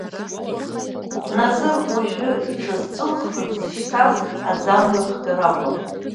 Назыр уажәы иҽазҵәылхны дзышьҭаз аӡы амҩахгара акәын.